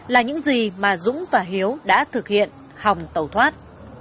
là những gì mà dũng và hiếu đã thực hiện hòng tẩu thoát